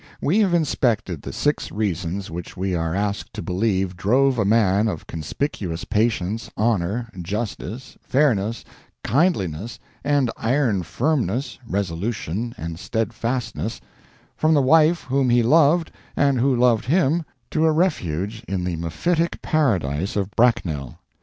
We have inspected the six reasons which we are asked to believe drove a man of conspicuous patience, honor, justice, fairness, kindliness, and iron firmness, resolution, and steadfastness, from the wife whom he loved and who loved him, to a refuge in the mephitic paradise of Bracknell.